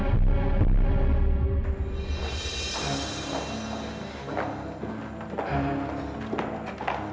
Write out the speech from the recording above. apa yang dia lakukan